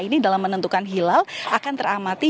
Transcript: ini dalam menentukan hilal akan teramati